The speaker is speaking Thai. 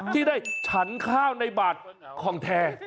ที่ได้ฉันข้าวในบาทของแท้